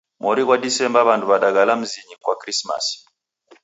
Mori ghwa Disemba w'andu w'adaghala mizinyi kwa Krismasi